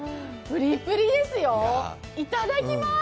プリプリですよ、いただきます。